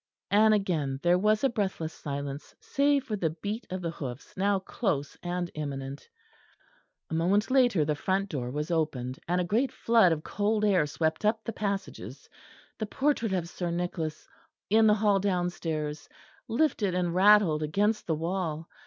And again there was a breathless silence, save for the beat of the hoofs now close and imminent. A moment later the front door was opened, and a great flood of cold air swept up the passages; the portrait of Sir Nicholas in the hall downstairs, lifted and rattled against the wall.